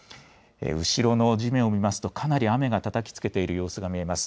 後ろの地面を見ますとかなり雨がたたきつけている様子が見えます。